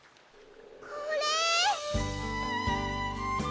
これ。